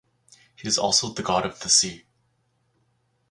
He is also the god of the sea.